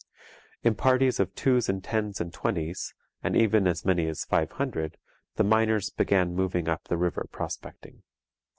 In parties of twos and tens and twenties, and even as many as five hundred, the miners began moving up the river prospecting.